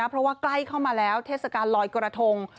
เพราะว่าใกล้เข้ามาแล้วเทศกาลลอยกระทง